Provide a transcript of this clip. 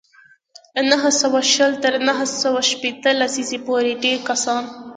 له نهه سوه شل تر نهه سوه شپېته لسیزې پورې ډېری کسان